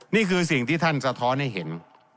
นี่คือสิ่งที่ท่านสะท้อนให้เห็น